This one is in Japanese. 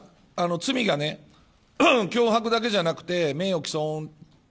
罪が脅迫だけじゃなくて名誉毀損と。